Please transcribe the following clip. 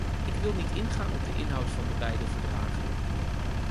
Ik wil niet ingaan op de inhoud van de beide verdragen.